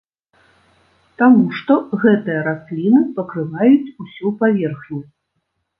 Таму што гэтыя расліны пакрываюць усю паверхню.